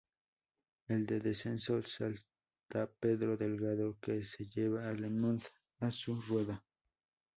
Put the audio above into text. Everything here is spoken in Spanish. En el descenso salta Pedro Delgado, que se lleva a Lemond a su rueda.